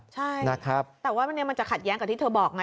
ใช่นะครับแต่ว่าวันนี้มันจะขัดแย้งกับที่เธอบอกไง